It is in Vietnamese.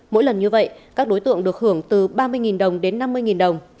mỗi lần như vậy các đối tượng được hưởng từ ba mươi đồng đến năm mươi đồng